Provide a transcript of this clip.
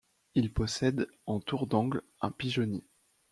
Il possède en tour d'angle un pigeonnier.